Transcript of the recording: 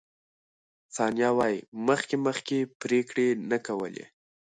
ثانیه وايي، مخکې مخکې پرېکړې نه کولې.